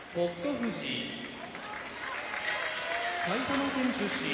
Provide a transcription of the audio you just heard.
富士埼玉県出身